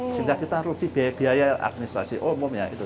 sehingga kita rugi biaya biaya administrasi umumnya itu